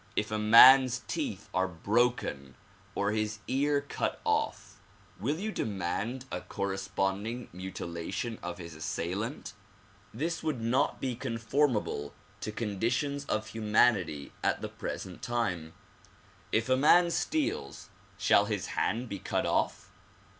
If a man's teeth are broken or his ear cut off will you demand a corresponding mutilation of his assailant? 164 THE PROMULGATION OF UNIVERSAL PEACE This would not be conformable to conditions of humanity at the present time. If a man steals shall his hand be cut off?